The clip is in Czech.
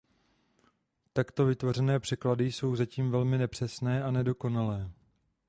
Takto vytvořené překlady jsou zatím velmi nepřesné a nedokonalé.